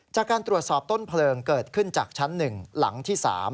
จากการตรวจสอบต้นเพลิงเกิดขึ้นจากชั้น๑หลังที่๓